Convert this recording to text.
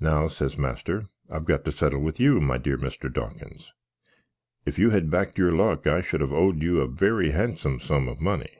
"Now," says master, "I've got to settle with you, my dear Mr. Dawkins. If you had backd your luck, I should have owed you a very handsome sum of money.